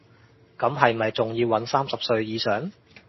咁係咪仲要搵三十歲以上